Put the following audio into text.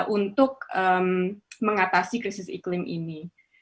untuk mengatasi krisis iklim ini